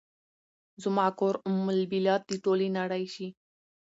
زما کور ام البلاد ، ټولې نړۍ شي